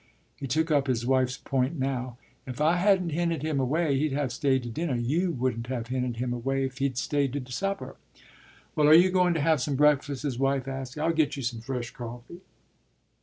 ” He took up his wife's point now. “If I hadn't hinted him away, he'd have stayed to dinner; you wouldn't have hinted him away if he'd stayed to supper.” “Well, are you going to have some breakfast?” his wife asked. “I'll get you some fresh coffee.